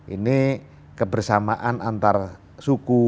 ini kebersamaan antar suku